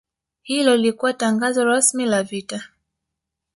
Hilo lilikuwa tangazo rasmi la vita